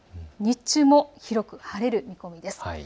日中も広く晴れる見込みです。